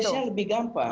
aksesnya lebih gampang